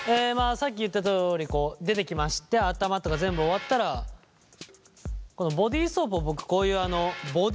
さっき言ったとおりこう出てきまして頭とか全部終わったらこのボディーソープを僕こういうあのボディータオル。